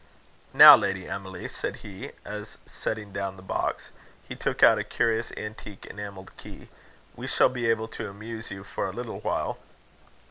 "Now, Lady Emily," said he, as, setting down the box, he took out a curious antique enamelled key, "we shall be able to amuse you for a little while."